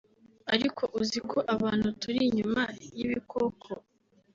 ariko uzi ko abantu turi inyuma y’ibikoko